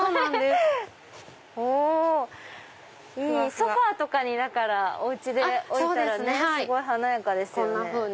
ソファとかにお家で置いたらすごい華やかですよね。